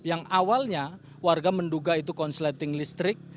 yang awalnya warga menduga itu konsleting listrik